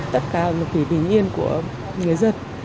tất cả bình yên của người dân